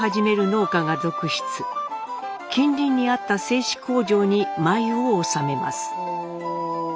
近隣にあった製糸工場に繭を納めます。